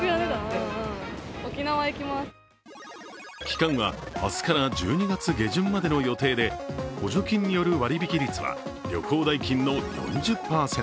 期間は明日から１２月下旬までの予定で補助金による割引率は旅行代金の４０％。